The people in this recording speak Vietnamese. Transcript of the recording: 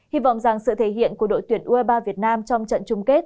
hy vọng rằng sự thể hiện của đội tuyển ue ba việt nam trong trận chung kết